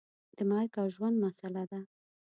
د مرګ او ژوند مسله ده.